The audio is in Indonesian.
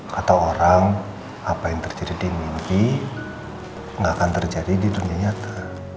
kata orang apa yang terjadi di mimpi gak akan terjadi di dunia nyata